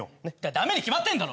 ダメに決まってんだろ！